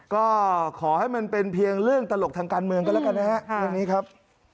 ก็ขอให้มันเป็นเพียงเรื่องตลกทางการเมืองกันแล้วกันนะฮะเรื่องนี้ครับ